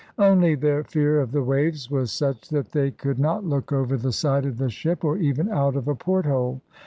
Only their fear of the waves was such that they could not look over the side of the ship, or even out of a porthole.